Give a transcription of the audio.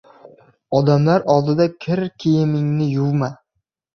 • Odamlar oldida kir kiyimingni yuvma.